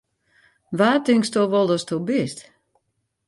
Wa tinksto wol datsto bist!